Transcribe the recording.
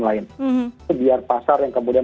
lain itu biar pasar yang kemudian